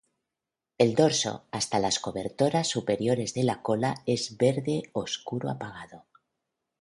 El dorso, hasta las cobertoras superiores de la cola, es verde oscuro apagado.